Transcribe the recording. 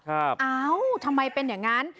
เอ้าทำไมเป็นอย่างนั้น